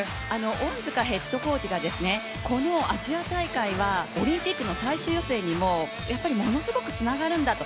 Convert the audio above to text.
恩塚ヘッドコーチがこのアジア大会はオリンピックの最終予選にもものすごくつながるんだと。